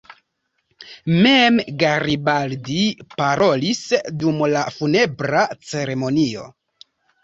Mem Garibaldi parolis dum la funebra ceremonio.